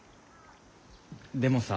でもさ。